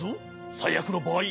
さいあくのばあい